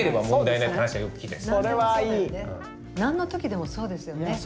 何の時でもそうですよね。